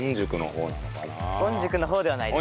御宿の方ではないです。